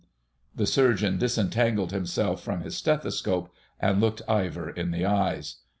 The Surgeon disentangled himself from his stethoscope and looked Ivor in the eyes.